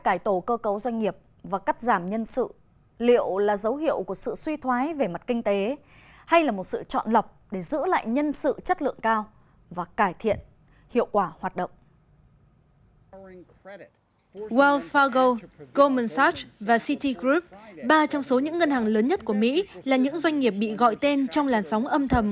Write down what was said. ba trong số những ngân hàng lớn nhất của mỹ là những doanh nghiệp bị gọi tên trong làn sóng âm thầm